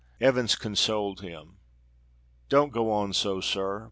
Evans consoled him. "Don't go on so, sir!